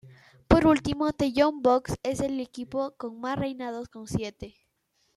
Por último, The Young Bucks es el equipo con más reinados con siete.